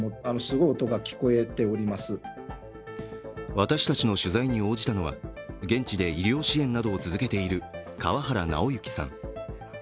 私たちの取材に応じたのは現地で医療支援などを続けている川原尚行さん。